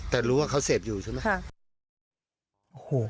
แต่รู้ว่าเขาเสพอยู่ใช่ไหม